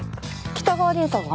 北川凛さんが？